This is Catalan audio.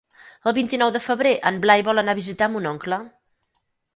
El vint-i-nou de febrer en Blai vol anar a visitar mon oncle.